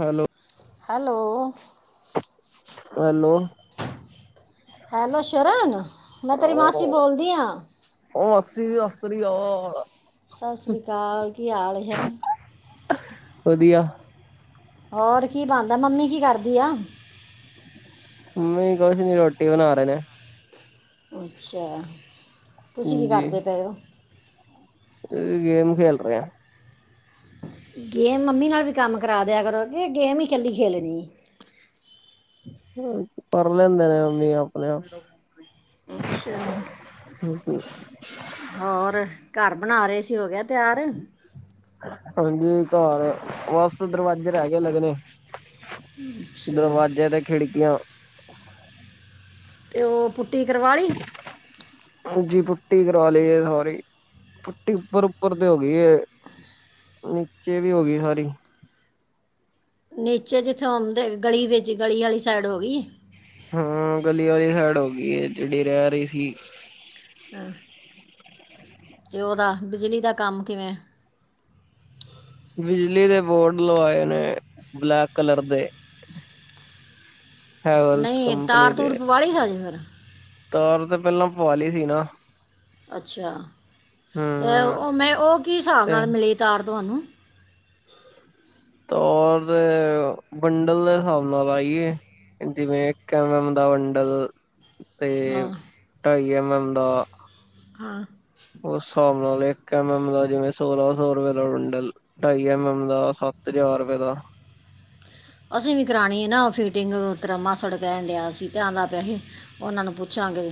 Hello hello hello hello Sharan, ਮੈਂ ਤੇਰੀ ਮਾਸੀ ਬੋਲਦੀਆਂ। ਹ ਅਸੀ ਵੀ ਅਸਰੀ ਆ [unintelligible] ਸਤਿ ਸ੍ਰੀ ਅਕਾਲ। ਕੀ ਹਾਲ ਹੈ? ਵਧੀਆ। ਹੋਰ ਕੀ ਬਣਦਾ? ਮੰਮੀ ਕੀ ਕਰਦੀ ਆ? ਨਹੀਂ, ਕੁਛ ਨੀ ਰੋਟੀ ਬਣਾ ਰਹੇ ਨੇ। ਅੱਛਾ, ਤੁਸੀਂ ਕੀ ਕਰਦੇ ਪਏ ਹੋ? ਇਹ ਗੇਮ ਖੇਲ ਰਿਹੇ ਆ। ਗੇਮ, ਮੰਮੀ ਨਾਲ ਵੀ ਕੰਮ ਕਰਾ ਦਿਆ ਕਰੋ। ਕੇ ਗੇਮ ਹੀ ਇਕੱਲੀ ਖੇਲਣੀ ਕਰ ਲੈਂਦੇ ਨੇ ਸੱਸੀ, ਆਪਣੇ ਆਪ। ਅੱਛਾ। [inaudible] ਹੋਰ, ਘਰ ਬਣਾ ਰਹੇ ਸੀ ਹੋ ਗਿਆ ਤਿਆਰ ਹਾਂਜੀ, ਘਰ ਬਸ ਦਰਵਾਜੇ ਰਹਿ ਗਏ ਲੱਗਣੇ ਅੱਛਾ ਦਰਵਾਜ਼ੇ ਤੇ ਖਿੜਕੀਆਂ ਤੇ ਉਹ ਪੁੱਟੀ ਕਰਵਾ ਲਈ ਹਾਂਜੀ, ਪੁੱਟੀ ਕਰਵਾ ਲਈਏ ਸਾਰੀ ਪੁੱਟੀ ਉੱਪਰ ਉੱਪਰ ਤੇ ਹੋ ਗਈ ਨੀਚੇ ਵੀ ਹੋ ਗਈ ਸਾਰੀ ਨੀਚੇ ਜਿੱਥੇ ਆਉਂਦੇ, ਗਲੀ ਵਿੱਚ ਗਲੀ ਵਾਲੀ ਸਾਈਡ ਹੋ ਗਈ ਹਾਂ ਗਲੀ ਵਾਲੀ ਸਾਈਡ ਹੋ ਗਈ ਹੈ ਜਿਹੜੀ ਰਹਿ ਰਹੀ ਸੀ ਹਾਂ ਤੇ ਉਹਦਾ, ਬਿਜਲੀ ਦਾ ਕੰਮ ਕਿਵੇਂ ਬਿਜਲੀ ਦੇ ਬੋਰਡ ਲਵਾਏ ਨੇ ਬਲੈਕ ਕਲਰ ਦੇ ਹੈਵਲਸ ਨਹੀਂ ਕੰਪਨੀ ਤਾਰ ਦੇ ਤੂਰ ਪਵਾ ਲਈ ਸਾਜੇ ਫਿਰ ਤਾਰ ਤੇ ਪਹਿਲਾਂ ਪੁਆਲੀ ਸੀ ਨਾ ਅੱਛਾ, ਤੇ ਹੂੰ ਉਹ ਮੈਂ ਉਹ ਕੀ ਹਿਸਾਬ ਤੇ ਨਾਲ ਮਿਲੀ ਤਾਰ ਤੁਹਾਨੂੰ [unintelligible] ਵੰਡਲ ਦੇ ਹਿਸਾਬ ਨਾਲ ਆਈਏ, ਜਿਵੇਂ ਇੱਕ ਐਮ ਐਲ ਦਾ ਵੰਡਲ ਤੇ ਹਾਂ ਢਾਈ ਐਮ ਐਮ ਦਾ ਹਾਂ। ਉਸ ਹਿਸਾਬ ਨਾਲ ਇੱਕ ਐਮ ਐਮ ਦਾ ਜਿਵੇਂ ਸੋਲਾਂ ਸੌ ਰੁਪਏ ਦਾ ਵੰਡਲ, ਢਾਈ ਐਮ ਐਮ ਦਾ ਸੱਤ ਹਜ਼ਾਰ ਰੁਪਏ ਦਾ [inaudible] ਅਸੀਂ ਵੀ ਕਰਾਣੀ ਨਾ ਫਿਟਿੰਗ ਤੇਰਾ ਮਾਸੜ ਕਹਿਣ ਡਿਆ ਸੀ। ਕਹਿਣ ਲੱਗ ਪਿਆ ਸੀ ਉਹਨਾਂ ਨੂੰ ਪੁੱਛਾਂ ਤੇ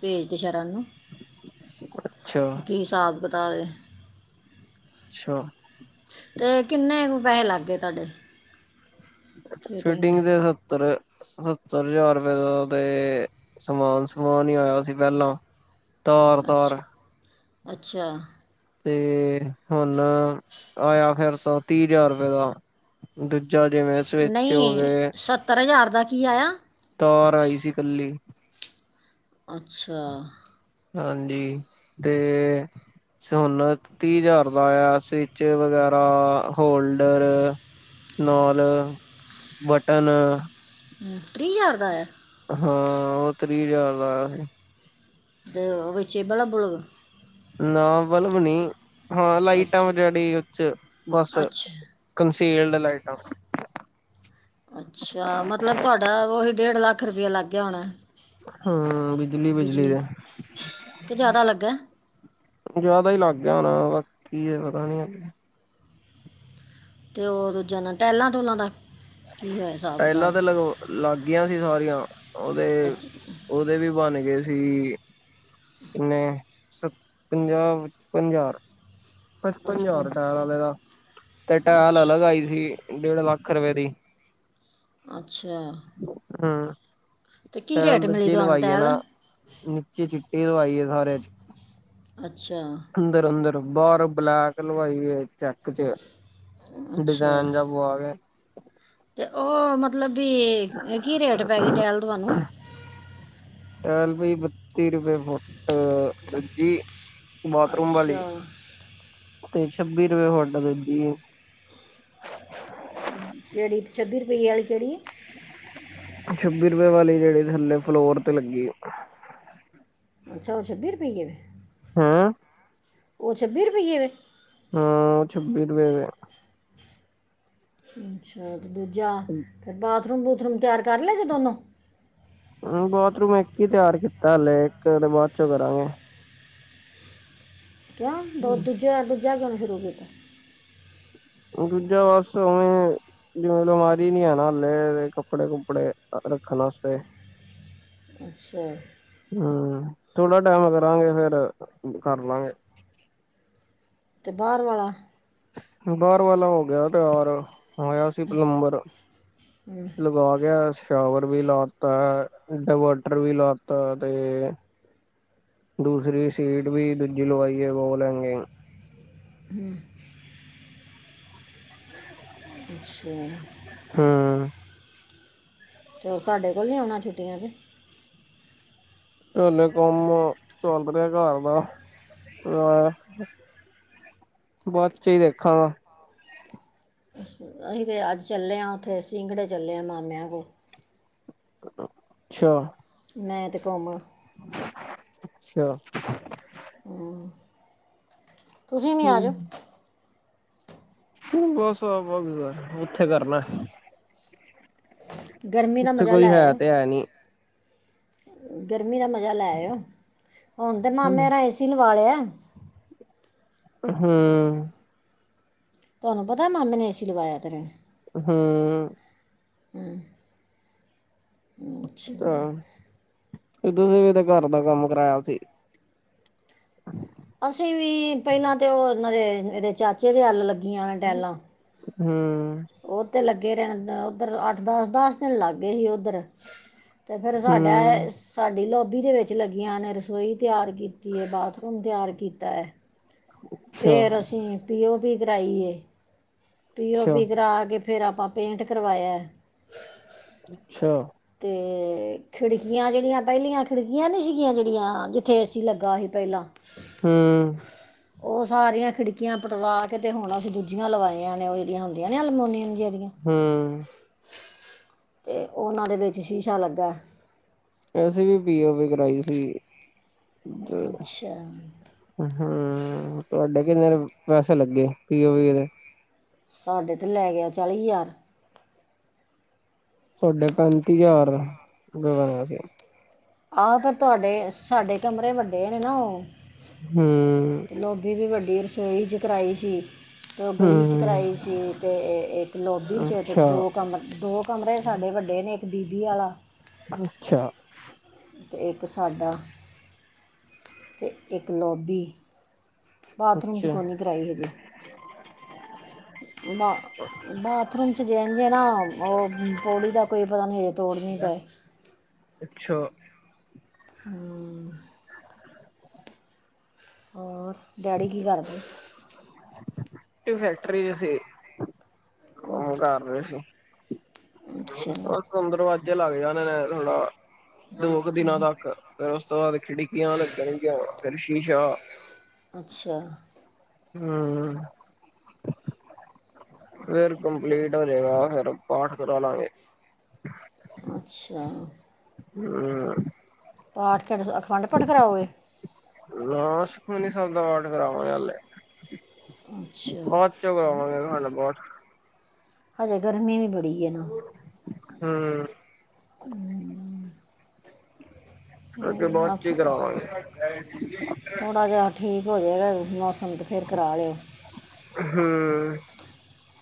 ਭੇਜਦੇ ਸ਼ਰਨ ਨੂੰ ਅੱਛਾ ਕੀ ਹਿਸਾਬ ਕਿਤਾਬ ਏ ਅੱਛਾ ਤੇ ਕਿੰਨੇ ਕੁ ਪੈਹੇ ਲੱਗ ਗਏ ਤੁਹਾਡੇ ਫਿਟੀਂਗ ਦੇ ਸਤਰ ਸੱਤਰ ਹਜ਼ਾਰ ਰੁਪਏ ਦਾ ਤੇ ਸਮਾਨ-ਸਮਾਨ ਹੀ ਆਇਆ ਸੀ ਪਹਿਲਾਂ ਤਾਰ-ਤਾਰ। ਅੱਛਾ ਅੱਛਾ। ਤੇ ਹੁਣ ਆਇਆ ਫੇਰ ਤਾਂ ਤੀਹ ਹਜ਼ਾਰ ਰੁਪਏ ਦਾ ਦੂਜ ਜਾਂ ਜਿਵੇਂ ਸਵਿਚ ਹੋ ਗਏ। ਬਾਕੀ ਆਇਆ ਤਾਰ ਆਈ ਸੀ ਕੱਲੀ ਅੱਛਾ। ਹਾਂਜੀ, ਤੇ ਵੈਸੇ ਹੁਣ ਤੀਹ ਹਜ਼ਾਰ ਦਾ ਆਇਆ, ਸਵਿੱਚ ਵਗੈਰਾ ਹੋਲਡਰ ਨੌਲ, ਬਟਨ ਹਮ, ਤੀਹ ਹਜਾਰ ਦਾ ਆਇਆ। ਹਾਂ ਉਹ ਤਰੀਹ ਹਜ਼ਾਰ ਆਇਆ ਸੀ ਤੇ ਉਹ ਵਿੱਚੇ ਇਹ ਬਲਵ ਬੁਲਬ ਨਾ ਵਲਬ ਨੀ, ਹਾਂ ਲਾਈਟਾ ਅੱਛਾ ਜਿਹੜੀ ਉੱਚ ਚ ਬੱਸ ਅੱਛਾ ਕਨਸੀਲਡ ਲਾਈਟਾਂ ਅੱਛਾ ਮਤਲਬ ਤੁਹਾਡਾ ਉਹੀ ਲੱਖ ਰੁਪਇਆ ਲੱਗ ਗਿਆ ਹੋਣਾ ਹਾਂ ਬਿਜਲੀ-ਬਿਜਲੀ ਬਿਜਲੀ ਦੇ ਕਿ ਜ਼ਿਆਦਾ ਲੱਗਾ ਜਿਆਦਾ ਹੀ ਲੱਗ ਗਿਆ ਹੋਣਾ, ਕੀ ਹੈ ਪਤਾ ਨੀ ਅੱਗੇ ਤੇ ਉਹ ਦੂਜੇ ਨਾਲ ਟਾਇਲਾਂ ਟੂਲਾਂ ਦਾ ਕੀ ਹੋਇਆ ਹਿਸਾਬ ਟਹਿਲਾਂ ਕਿਤਾਬ ਤੇ ਲਗ ਲੱਗ ਗੀਆਂ ਸੀ ਸਾਰੀਆਂ, ਉਹਦੇ- ਅੱਛ ਉਹਦੇ ਵੀ ਬਨ ਗਏ ਸੀ। ਅ ਕਿੰਨੇ ਸ ਪੰਜਾਹ ਵਿੱਚ ਪੰਜਾਰ ਪੱਚਪਨ ਪਚਪਨ ਹਜ਼ਾਰ ਟਾਇਲ ਆਲੇ ਦਾ ਤੇ ਟਾਇਲ ਅੱਛਾ ਅਲੱਗ ਆਈ ਸੀ। ਡੇਢ ਲੱਖ ਰੁਪਏ ਦੀ ਅੱਛਾ। ਹਮ ਅਤੇ ਕੀ ਰੇਟ ਟੈਲ ਮਿਲੀ ਦੂਜੀ ਤੁਹਾਨੂੰ ਲਵਾਈਏ ਟਾਈਲ ਨਾ ਨੀਚੇ ਚ ਇਹ ਆਈ ਏ ਸਾਰਿਆਂ ਚ। ਅੱਛਾ ਬਾਰ ਉਹ ਬਲੈਕ ਲਵਾਈ ਚੈੱਕ ਚ ਡਿਜਾਇਨ ਜਾ ਪਵਾ ਕੇ। ਤੇ ਉਹ ਮਤਲਬ ਕਿ ਕੀ ਰੇਟ ਪੈ ਗਈ ਟੈਲ ਤੂਆਨੂੰ। ਟੈਲ ਪਈ ਬਤੀ ਰੁਪਏ ਫੁਟ ਜੀ। ਅੱਛਾ ਤੇ ਛੱਬੀ ਰੁਪਏ [unintelligible] ਕਿਹੜੀ ਛੱਬੀ ਰੁਪਈਏ ਵਾਲੀ ਕਿਹੜੀ। ਹੈ ਛੱਬੀ ਰੁਪਏ ਵਾਲੀ ਜਿਹੜੀ ਥੱਲੇ ਫਲੋਰ ਤੇ ਲੱਗੀ ਏ। ਅੱਛਾ ਉਹ ਛੱਬੀ ਰੁਪਈਏ ਵੇ। ਹੈਂ ਉਹ ਛੱਬੀ ਰੁਪਈਏ ਵੇ। ਹਾਂ ਉਹ ਛੱਬੀ ਰੁਪਏ ਵੇ। ਅੱਛਾ ਤੇ ਦੂਜਾ ਫਿਰ ਬਾਥਰੂਮ-ਬੂਥਰੂਮ ਤਿਆਰ ਕਰ ਲੈ ਜੇ ਦੋਨੋ। ਹ ਬਾਥਰੂਮ ਇੱਕ ਹੀ ਤਿਆਰ ਕੀਤਾ ਹਲੇ ਇੱਕ ਤੇ ਬਾਅਦ ਚੋਂ ਕਰਾਗੇ। ਕਉ ਦੋ ਦੂਜੇ ਦੂਜਾ ਕਿਉਂ ਸ਼ੁਰੂ ਕੀਤਾ। ਦੂਜਾ ਵਾਸ਼ਰੂਮ ਏ ਜਿਵੇਂ ਅਲਮਾਰੀ ਨੀ ਆ ਨਾ ਹਾਲੇ ਕੱਪੜੇ-ਕੁਪੜੇ ਰੱਖਣ ਆਸਤੇ। ਅੱਛਾ ਹਮ ਥੋੜਾ ਟਾਈਮ ਕਰਾਂਗੇ ਫੇਰ ਕਰਲਾਗੇ। ਬਾਰ ਵਾਲਾ। ਬਾਹਰ ਵਾਲਾ ਹੋ ਗਿਆ ਤਿਆਰ। ਹੋਇਆ ਸੀ ਪਲੰਬਰ ਲਗਾ ਗਿਆ ਸ਼ਾਵਰ ਵੀ ਲਾਤਾ ਇੰਟਰਵਟਰ ਵੀ ਲਾਤਾ ਤੇ ਦੂਸਰੀ ਸੀਟ ਵੀ ਦੂਜੀ ਲਵਾਈ ਏ ਵਾਲ ਹੈਂਗਿੰਗ। ਹ ਅੱਛਾ ਹਾਂ ਚਲੋ ਸਾਡੇ ਕੋਲ ਨੀ ਆਉਣਾ ਛੁੱਟੀਆਂ ਚ। ਹਲੇ ਕੰਮ ਚੱਲ ਰਿਹਾ ਘਰ ਦਾ [unintelligible] ਬਾਅਦ ਚ ਹੀ ਦੇਖਾਂਗਾ। ਅਸੀਂ ਤੇ ਅੱਜ ਚੱਲੇ ਆ ਉੱਥੇ ਸਿੰਗੜੇ ਚੱਲੇ ਆ ਮਾਮਿਆਂ ਕੋਲ। ਅੱਛਾ। ਮੈਂ ਤੇ ਕੌਮ ਅੱਛਾ। ਤੁਸੀਂ ਵੀ ਆ ਜਾਓ। ਹਮ ਬਸ ਆਵਾਂਗੇ ਓਥੇ ਕਰਨਾ। ਗਰਮੀ ਦਾ ਉੱਥੇ ਮਜ਼ਾ ਕੋਈ ਲੈ ਹੈ ਆਇਓ ਤੇ ਹੈ ਨੀ। ਗਰਮੀ ਦਾ ਮਜਾ ਲੈਓ ਹੁਣ ਤੇ ਹਮ ਮਾਮਿਆ ਏਸੀ ਲਵਾ ਲਿਆ। ਹਮ। ਤੁਹਾਨੂੰ ਪਤਾ ਮਾਮੇ ਨੇ ਏਸੀ ਲਵਾਇਆ ਤੇਰੇ। ਹਮ। ਤਾਂ [unintelligible] ਤੁਸੀਂ ਸੀ ਵੀ ਘਰ ਦਾ ਕੰਮ ਕਰਾਇਆ ਸੀ। [inaudible] ਅਸੀਂ ਵੀ ਪਹਿਲਾ ਤੇ ਉਹ ਦੇ ਇਹਦੇ ਚਾਚੇ ਦੇ ਅੱਲ ਲੱਗਿਆ ਨੇ ਟੈਲਾ। ਹਮ। ਉਹ ਤੇ ਲੱਗੇ ਰਹਿਣ ਉੱਧਰ ਅੱਠ ਦ ਦਸ ਦਿਨ ਲੱਗ ਗਏ ਹੀ ਉਧਰ ਤੇ ਫੇਰ ਸਾਡਾ ਹਮ ਸਾਡੀ ਲੋ ਲੋਭੀ ਦੇ ਵਿੱਚ ਲੱਗ ਜਾਣ ਰਸੋਈ ਤਿਆਰ ਕੀਤੀ ਹੈ, ਬਾਥਰੂਮ ਤਿਆਰ ਕੀਤਾ ਹੈ। ਅੱਛਾ ਫੇਰ ਅਸੀਂ ਪੀਓਪੀ ਕਰਵਾਈਏ ਅੱਛਾ ਪੀਓਪੀ ਕਰਾ ਕੇ ਫੇਰ ਆਪਾਂ ਪੇਂਟ ਕਰਵਾਇਆ ਹੈ। ਅੱਛਾ। ਹੂੰ। ਖਿੜਕੀਆਂ ਜਿਹੜੀਆਂ ਪਹਿਲੀਆਂ ਖਿੜਕੀਆਂ ਨੀ ਸੀਗੀਆਂ ਜਿਹੜੀਆਂ ਜਿੱਥੇ ਐਸੀਂ ਲੱਗਾ ਸੀ। ਪਹਿਲਾਂ ਹਮ। ਉਹ ਸਾਰੀਆਂ ਖਿੜਕੀਆਂ ਪਟਵਾ ਕੇ ਤੇ ਹੁਣ ਅਸੀਂ ਦੂਜੀਆਂ ਲਵਾਈਆਂ ਨੇ ਉਹ ਜਿਹਦੀਆਂ ਹੁੰਦੀਆਂ ਨੇ ਅਲਮੋਨੀਅਮ ਹਮ। ਅਤੇ ਉਹਨਾਂ ਦੇ ਵਿੱਚ ਸ਼ੀਸ਼ਾ ਲੱਗਾ ਏ। ਅਸੀਂ ਵੀ ਪੀਓ ਵੀ ਕਰਾਈ ਸੀ ਅੱਛਾ। ਹਮ ਤੁਹਾਡੇ ਕਿੰਨੇ ਪੈਸੇ ਲੱਗੇ ਪੀਓ ਪੀ ਦੇ। ਸਾਡੇ ਤੇ ਲੈ ਗਿਆ ਚਾਲੀ ਹਜ਼ਾਰ। ਤੁਹਾਡੇ ਪੈਂਤੀ ਹਜ਼ਾਰ ਦਾ ਬਣਿਆ ਸੀ। ਆਹੋ ਫੇਰ ਤੁਹਾਡੇ ਸਾਡੇ ਕਮਰੇ ਵੱਡੇ ਨੇ ਨਾ ਉਹ ਹਮ ਤੇ ਲੋਭੀ ਵੀ ਵੱਡੀ ਰਸੋਈ ਚ ਕਰਾਈ ਸੀ। ਤੇ ਉਹ ਗਲੀ ਚ ਕਰਾਈ ਹਮ ਸੀ ਤੇ ਇੱਕ ਲੋਬੀ ਚ ਤੇ ਅੱਛਾ ਦੋ ਕਮ ਦੋ ਕਮਰੇ ਸਾਡੇ ਵੱਡੇ ਨੇ ਇੱਕ ਬਬੀ ਵਾਲਾ। [inaudible] ਅੱਛਾ। ਤੇ ਇੱਕ ਸਾਡਾ ਤੇ ਇੱਕ ਲੋਬੀ। ਬਾਥਰੂਮ ਚ ਅੱਛਾ ਕੋੋਨੀ ਕਰਾਈ ਹਜੇ। ਬਾ ਬਾਥਰੂਮ ਚ ਹਜੇ ਨਾ ਉਹ ਪੌੜੀ ਦਾ ਕੋਈ ਪਤਾ ਨਹੀਂ ਹਜੇ ਤੋੜਨੀ ਪ ਹੈ। [inaudible] ਅੱਛਾ। ਹਮ। ਔਰ ਡੈਡੀ ਕੀ ਕਰਦੇ? ਫੈਕਟਰੀ ਸੀ ਉਹ ਕਰ ਰਹੇ ਸੀ। ਅੱਛਾ ਬਸ ਹੁਣ ਦਰਵਾਜੇ ਲੱਗ ਜਾਣੇ ਨੇ ਥੋੜਾ ਦੋ ਕੁ ਦਿਨਾਂ ਤੱਕ ਫੇਰ ਉਸ ਤੋਂ ਬਾਅਦ ਖਿੜਕੀਆਂ ਲੱਗਣਗੀਆਂ ਫੇਰ ਸ਼ੀਸ਼ਾ ਅੱਛਾ। ਹਮ। ਫੇਰ ਤੇ- ਕੰਪਲੀਟ ਹੋਜੇਗਾ ਫਿਰ ਪਾਠ ਕਰਾ ਲਾਂਗੇ। ਅੱਛਾ ਹਮ ਪਾਠ ਕੇਡ ਅਖੰਡ ਪਾਠ ਕਰਾਓ ਗੇ ਲਾਸ ਸੁੱਖਮਨੀ ਸਾਹਿਬ ਦਾ ਪਾਠ ਕਰਾਵਾਂਗੇ ਹਲੇ ਅੱਛਾ ਅਖੰਡ ਪਾਠ ਹਜੇ ਗਰਮੀ ਵੀ ਬੜੀ ਹੈ ਨਾ ਹੂੰ ਕਿਉਂਕਿ ਬਾਅਦ ਚ ਥ ਹੀ ਕਰਾਵਾਂਗੇ ਥੋੜ੍ਹਾ ਜਿਹਾ ਠੀਕ ਹੋ ਜਾਗਾ ਮੌਸਮ ਤੇ ਫਿਰ ਕਰਾ ਲਿਆ ਜੇ ਹੂੰ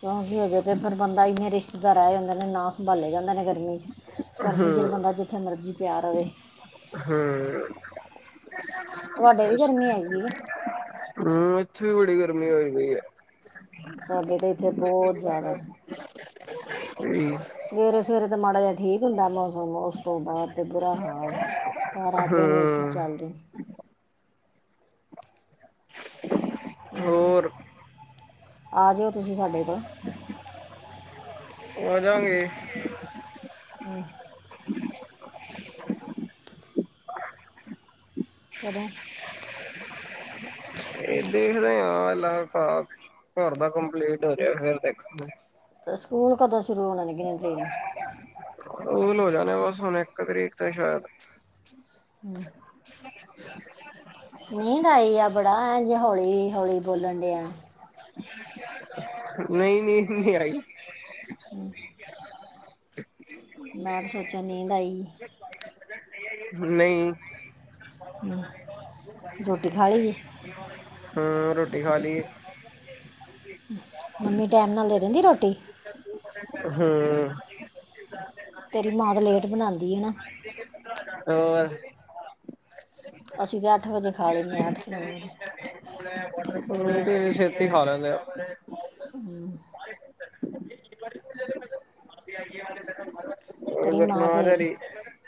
ਕਿਉਂਕ ਹਜੇ ਤੇ ਫਿਰ ਬੰਦਾ ਇੰਨੇ ਰਿਸ਼ਤੇਦਾਰ ਆ ਜਾਂਦੇ ਨੇ ਨਾ ਸੰਭਾਲੇ ਜਾਂਦੇ ਨੇ ਗਰਮੀ ਚ ਸਰਦੀ ਹੂੰ 'ਚ ਬੰਦਾ ਜਿੱਥੇ ਮਰਜ਼ੀ ਪਿਆ ਰਵੇ ਹਮ ਤੁਹਾਡੇ ਵੀ ਗਰਮੀ ਹੈਗੀ ਹੈ ਹਮ ਇੱਥੇ ਵੀ ਬੜੀ ਗਰਮੀ ਹੋ ਪਈ ਆ ਸਾਡੇ ਤਾਂ ਇੱਥੇ ਬਹੁਤ ਜ਼ਿਆਦਾ [inaudible] ਸਵੇਰੇ- ਸਵੇਰੇ ਤੇ ਮਾੜਾ ਜਿਹਾ ਠੀਕ ਹੁੰਦਾ ਮੌ ਉਸ ਤੋਂ ਬਾਅਦ ਤੇ ਬੁਰਾ ਹਾਲ ਸਾਰਾ ਦਿਨ ਏਸੀ ਸੀ ਹੂੰ ਚੱਲਦੇ ਨੇ [inaudible] [inaudible] ਹਾਂ, ਹੋਰ ਆ ਜਾਓ ਤੁਸੀਂ ਸਾਡੇ ਕੋਲ। ਆ ਜਾਣਗੇ। ਹਮ ਕਦੋਂ ਦੇਖਦੇ ਆ। ਲਾਗ -ਭਾਗ ਘਰ ਦਾ ਕੰਪਲੀਟ ਹੋ ਜੇਗਾ ਫਿਰ ਦੇਖਾਂਗੇ ਤੇ ਸਕੂਲ ਕਦੋਂ ਸ਼ੁਰੂ ਹੋਣ ਲੱਗੇ ਨੇ ਟ੍ਰੇਨ ਸਕੂਲ ਹੋ ਜਾਣੇ ਬਸ ਹੁਣ ਇੱਕ ਤਰੀਕ ਤੋਂ ਹੀ ਸ਼ਾਇਦ ਨੀਂਦ ਆਈ ਆ ਬੜਾ ਜੇ ਹੌਲੀ -ਹੌਲੀ ਬੋਲਣ ਡਿਆ ਨਹੀਂ -ਨਹੀਂ ਮੇਰਾ ਹੀ ਹਮ ਮੈਂ ਤੇ ਸੋਚਿਆ ਨੀਂਦ ਆਈ। ਨਹੀਂ ਰੋਟੀ ਖਾ ਲਈ ਜੀ ਹਾਂ ਰੋ ਖਾ ਲਈਏ ਮੰਮੀ ਟੈਮ ਨਾਲ ਦੇ ਦਿੰਦੀ ਰੋਟੀ? ਹਮ ਤੇਰੀ ਮਾਂ ਤਾਂ ਲੇਟ ਬਣਾਉਂਦੀ ਹੈ ਨਾ ਟੋਰ ਅਸੀ ਤਾਂ ਅੱਠ ਵਜੇ ਖਾ ਲੈਂਦੇ ਹਾ, ਅੱਠ- ਨੌ ਵਜੇ ਛੇਤੀ ਖਾ ਲੈਂਦੇ ਆ [inaudible] ਤੇਰੀ ਮਾਂ ਦੇ,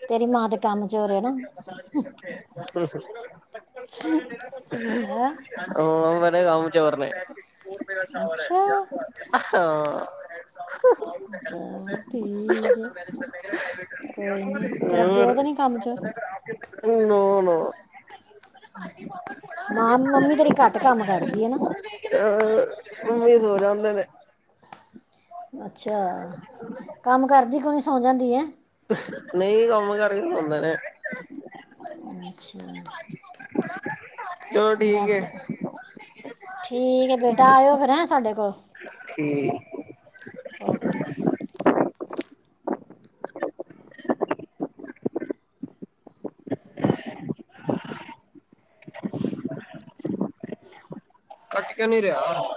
ਤੇਰੀ ਮਾਂ ਦੇ ਕੰਮ ਚੋਰ ਆ ਨਾ ਹੈ ੳਹ ਬੜੇ ਕਮਚੋਰ ਨੇ ਅੱਛਾ! ਹਾਂ ਅੱਛਾ! ਠੀਕ ਹੈ ਕੋਈ ਨੀ ਤੇਰਾ ਪਿਓ ਹੋਰ ਤੇ ਨੀ ਕੰਮ ਚ ਨੋ- ਨੋ ਨਾ ਮੰਮੀ ਤੇਰੀ ਘੱਟ ਕੰਮ ਕਰਦੀ ਐਨਾ ਮੰਮੀ ਸੋ ਜਾਂਦੇ ਨੇ। ਅੱਛਾ! ਕੰਮ ਕਰਦੀ ਕਿਉ ਨਹੀਂ ਸੌਂ ਜਾਂਦੀ ਹੈ ਨਹੀਂ ਕੰਮ ਕਰਕੇ ਸੌਂਦੇ ਨੇ। ਅੱਛਾ। ਚਲੋ ਠੀਕ ਹੈ। ਨਰਸ ਠੀਕ ਹੈ ਬੇਟਾ, ਆਇਓ ਫਿਰ ਹੈ ਸਾਡੇ ਕੋਲ। ਠੀਕ ਓਕੇ। ਕਟ ਕਿਊ ਨਹੀਂ ਰਿਆ।